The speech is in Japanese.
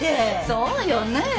そうよねぇ。